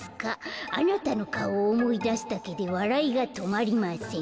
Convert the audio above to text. あなたのかおをおもいだすだけでわらいがとまりません」。